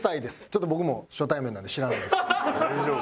ちょっと僕も初対面なんで知らないんですけど。